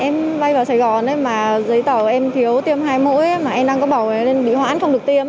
em bay vào sài gòn mà giấy tờ em thiếu tiêm hai mũi mà em đang có bảo vệ nên bị hoãn không được tiêm